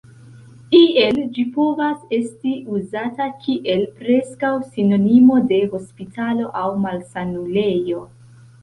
Iel ĝi povas esti uzata kiel preskaŭ sinonimo de hospitalo aŭ malsanulejo.